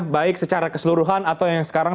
baik secara keseluruhan atau yang sekarang